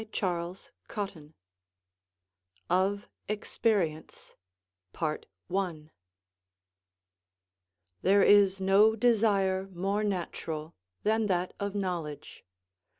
CHAPTER XIII OF EXPERIENCE There is no desire more natural than that of knowledge.